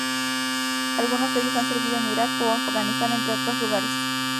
Algunos de ellos han servido en Irak o Afganistán, entre otros lugares.